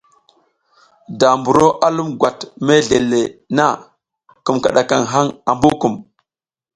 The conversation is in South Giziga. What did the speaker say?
Da buro a lum gwat mesle le na, kum kiɗakaŋ haŋ ambu kum.